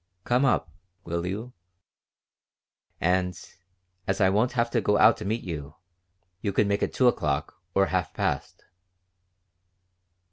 Come up, will you? And, as I won't have to go out to meet you, you can make it 2 o'clock, or half past."